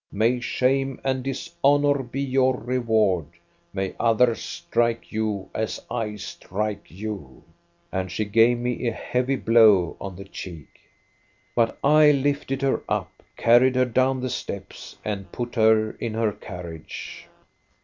May shame and dishonor be your reward ; may others strike you, as I strike you !'" And she gave me a heavy blow on the cheek. 24 INTRODUCTION " But I lifted her up, carried her down the steps, and put her in her carriage.